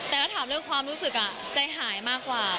แต่ถ้าถามเรื่องความรู้สึกใจหายมากกว่า